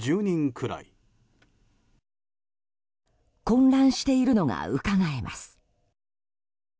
混乱しているのがうかがえます。